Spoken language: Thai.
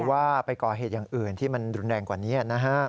ว่าไปก่อเหตุอย่างอื่นที่มันรุนแรงกว่านี้นะฮะ